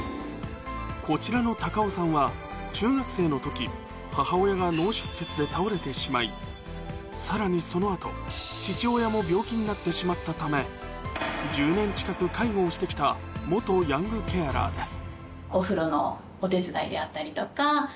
こちらの尾さんは中学生の時母親が脳出血で倒れてしまいさらにその後父親も病気になってしまったため１０年近く介護をして来た元ヤングケアラーです